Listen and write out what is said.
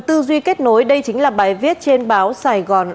cần tư duy kết nối đây chính là bài viết trên báo sài gòn online